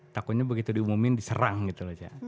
takutnya begitu diumumin diserang gitu loh ya